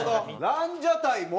ランジャタイも？